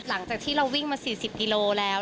หลังจากที่เราวิ่งมา๔๐กิโลแล้ว